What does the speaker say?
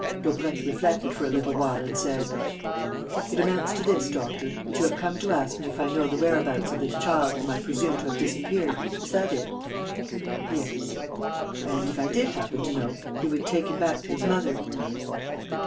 Daubrecq reflected for a little while and said: "It amounts to this, doctor, that you have come to ask me if I know the whereabouts of this child whom I presume to have disappeared. Is that it?" "Yes." "And, if I did happen to know, you would take him back to his mother?"